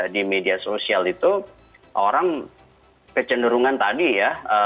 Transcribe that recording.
di media sosial itu orang kecenderungan tadi ya